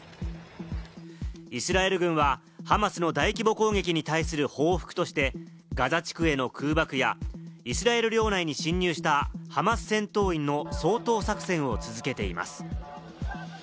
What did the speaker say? イスラエル軍はハマスの大規模攻撃に対する報復として、ガザ地区への空爆やイスラエル領内に侵入したハマス戦闘員の掃討作戦を続けています。